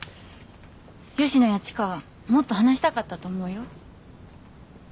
佳乃や千佳はもっと話したかったと思うよ。